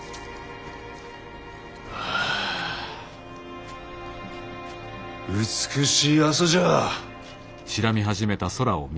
あ美しい朝じゃ。